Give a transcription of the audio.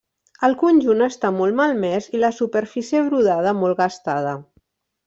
El conjunt està molt malmès i la superfície brodada molt gastada.